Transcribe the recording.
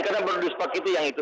karena baru disepakati yang itu